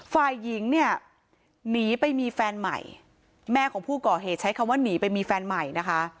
ฝ่ายหญิงเนี่ยหนีไปมีแฟนใหม่แม่ของผู้ก่อเหตุใช้คำว่าหนีไปมีแฟนใหม่นะคะ